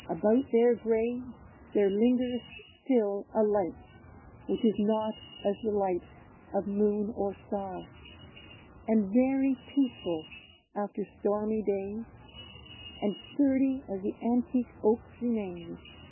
About their graves there lingers still a light Which is not as the light of moon or star ; And very peaceful after stormy days, And sturdy as the antique oaks remain, 40 OLD ST.